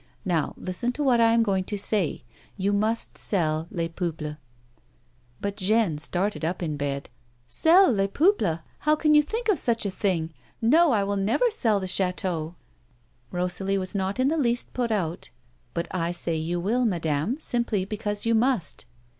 Now listen to what I am going to say ; you must sell Les Peuples —" But Jeanne started up in bed. " Sell Les Peuples ! How can you think of such a thing ? No ! I will never sell the chateau !" Rosalie was not in the least put out. " But I say you will, madame, simply because you must."